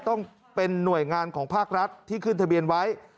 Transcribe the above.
ต้องเป็นหน่วยงานของภาครัฐที่ขึ้นทะเบียนไว้